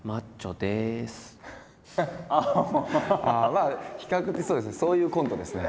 まあ比較的そうですねそういうコントですね。